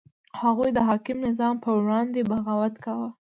هغوی د حاکم نظام په وړاندې بغاوت کاوه.